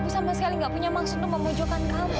aku sama sekali gak punya maksud untuk memojokkan kamu